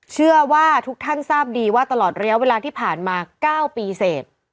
เชื่อว่าทุกท่านทราบดีว่าตลอดระยะเวลาที่ผ่านมา๙ปีเสร็จ